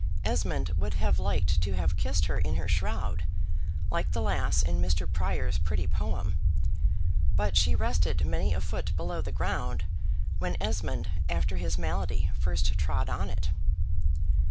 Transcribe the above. Esmond would have liked to have kissed her in her shroud (like the lass in Mr. Prior's pretty poem); but she rested many a foot below the ground, when Esmond after his malady first trod on it.